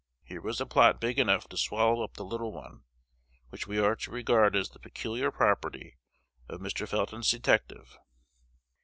Here was a plot big enough to swallow up the little one, which we are to regard as the peculiar property of Mr. Felton's detective.